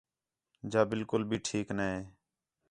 جا بالکل بھی ٹھیک نے